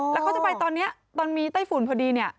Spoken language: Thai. แล้วเขาจะไปตอนนี้ตอนมีไต้ฝุ่นพอดีเนี่ย